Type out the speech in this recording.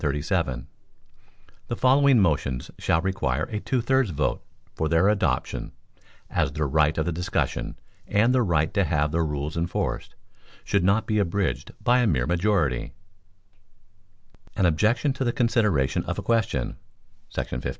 ] The following motions shall require a two thirds vote for their adoption, as the right of discussion, and the right to have the rules enforced, should not be abridged by a mere majority: An Objection to the Consideration of a Question …………..§ 15.